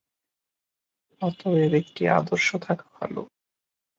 অতএব একটি আদর্শ থাকা ভাল।